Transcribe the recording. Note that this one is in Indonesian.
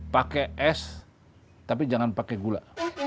pakai es tapi jangan pakai gula